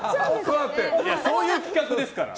そういう企画ですから！